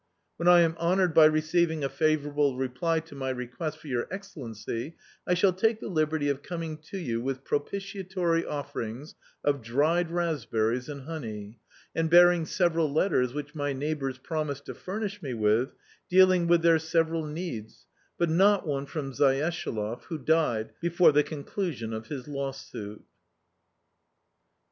When I am honoured by receiving a favourable reply to my request from your Excellency, I shall take the liberty of coming to you with propitiatory offerings of dried raspberries and honey, and bearing several letters which my neighbours promise to furnish me with, dealing with their several needs, but not one from Zayeshaloflf, who died before the conclusion of his lawsuit."